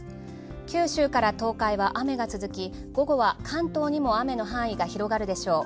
九州から東海は雨が続き、午後は関東にも雨の範囲が広がるでしょう。